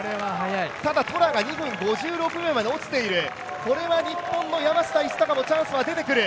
ただトラが２分５６秒まで落ちているこれは日本の山下一貴もチャンスが出てくる。